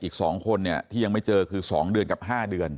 อีก๒คนที่ยังไม่เจอคือ๒เดือนกับ๕เดือน